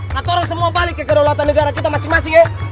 kita semua balik ke keraulatan negara kita masing masing ya